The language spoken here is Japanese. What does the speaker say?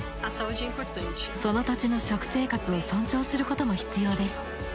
その土地の食生活を尊重することも必要です。